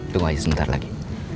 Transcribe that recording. tunggu aja sebentar lagi